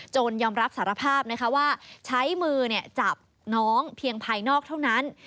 ยอมรับสารภาพนะคะว่าใช้มือจับน้องเพียงภายนอกเท่านั้น